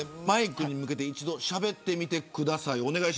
マイクに向けて一度しゃべってみてください。